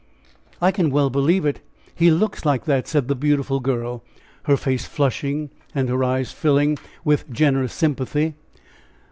"I can well believe it! He looks like that!" said the beautiful girl, her face flushing and her eyes filling with generous sympathy.